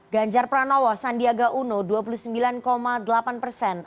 ganjar pranowo sandiaga uno dua puluh sembilan delapan persen